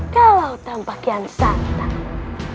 kalau tanpa kian santang